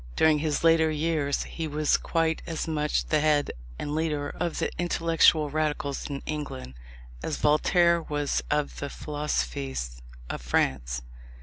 During his later years he was quite as much the head and leader of the intellectual radicals in England, as Voltaire was of the philosophes of France.